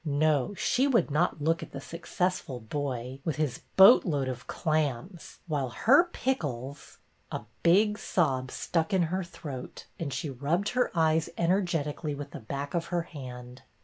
No, she would not look at the successful boy, with his boat load of clams, while her pickles, — a big sob stuck in her throat, and she rubbed her eyes energetically with the back of her hand.